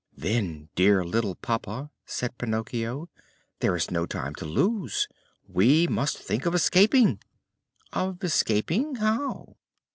"Then, dear little papa," said Pinocchio, "there is no time to lose. We must think of escaping." "Of escaping? How?"